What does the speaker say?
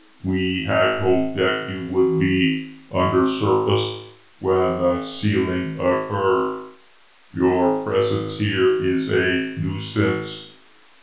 "We had hoped that you would be undersurface when the sealing occurred. Your presence here is a nuisance.